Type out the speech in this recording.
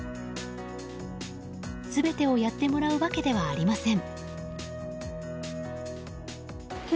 全てをやってもらうわけではありません。